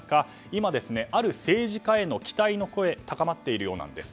今、ある政治家への期待の声が高まっているようなんです。